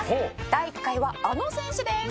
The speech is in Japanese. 第１回はあの選手です。